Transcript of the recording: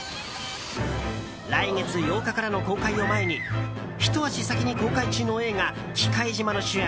来月８日からの公開を前にひと足先に公開中の映画「忌怪島／きかいじま」の主演